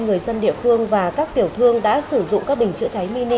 người dân địa phương và các tiểu thương đã sử dụng các bình chữa cháy mini